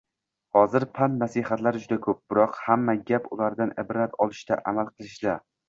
Hozir pand-nasihatlar juda ko‘p, biroq hamma gap ulardan ibrat olishda, amal qilishda.